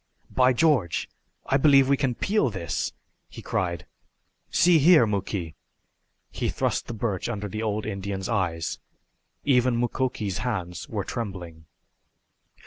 "By George, I believe we can peel this!" he cried. "See here, Muky!" He thrust the birch under the old Indian's eyes. Even Mukoki's hands were trembling.